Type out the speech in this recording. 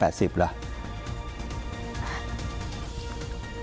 ถามตอบไม่ถูก